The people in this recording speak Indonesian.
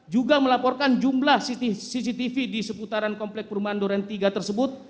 juga melaporkan jumlah cctv di seputaran kompleks permandoran tiga tersebut